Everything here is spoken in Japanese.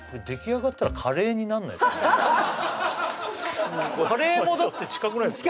結構ねカレーもだって近くないですか？